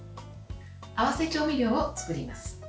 合わせ調味料を作ります。